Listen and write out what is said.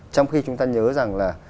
trong khi chúng ta nhớ rằng là